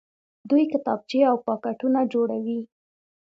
دوی کتابچې او پاکټونه جوړوي.